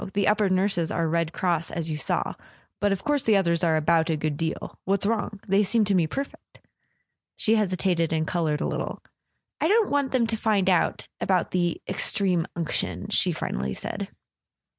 The upper nurses are Red Cross, as you saw. But of course the others are about a good deal. What's wrong? They seem to me perfect." She hesitated and coloured a little. "I don't want them to find out—about the Extreme Unction," she finally said.